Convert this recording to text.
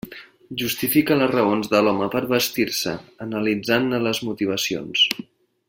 Justifica les raons de l'home per vestir-se analitzant-ne les motivacions.